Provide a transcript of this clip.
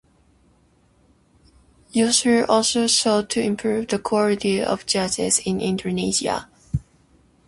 Yusril also sought to improve the quality of Judges in Indonesia.